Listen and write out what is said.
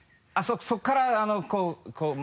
そこからあのこう。